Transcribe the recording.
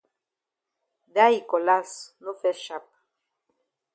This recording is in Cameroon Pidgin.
Dat yi cutlass no fes sharp.